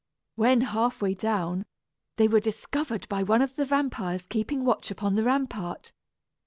When half way down, they were discovered by one of the vampires keeping watch upon the rampart.